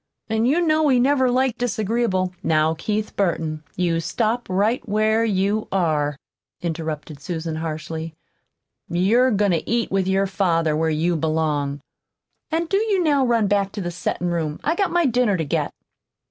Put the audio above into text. An' you know he never liked disagreeable " "Now, Keith Burton, you stop right where you are," interrupted Susan harshly. "You're goin' to eat with your father where you belong. An' do you now run back to the settin' room. I've got my dinner to get."